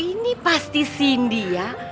ini pasti cindy ya